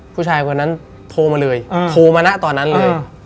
ผู้ชายคนนั้นโทรมาเลยโทรมานะตอนนั้นเลย